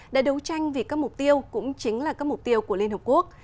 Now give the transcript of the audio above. đã đấu tranh vì các mục tiêu cũng chính là các mục tiêu của liên hợp quốc